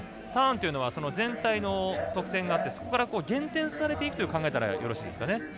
ターンというのは全体の得点があってそこから減点されていくと考えたらよろしいですかね。